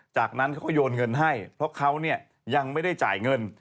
จากนั้นเขาก็โยนเงินให้เพราะเขาเนี่ยยังไม่ได้จ่ายเงิน